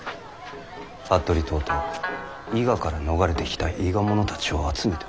服部党と伊賀から逃れてきた伊賀者たちを集めておる。